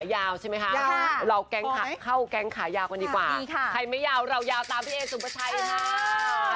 ยาวใช่ไหมคะเราแก๊งเข้าแก๊งขายาวกันดีกว่าใครไม่ยาวเรายาวตามพี่เอสุปชัยค่ะ